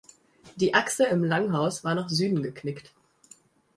Die Achse im Langhaus war nach Süden geknickt.